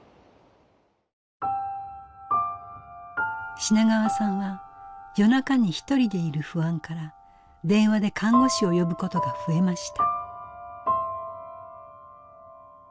品川さんは夜中にひとりでいる不安から電話で看護師を呼ぶことが増えました。